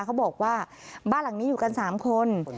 เขาบอกว่าบ้านหลังนี้อยู่กัน๓คน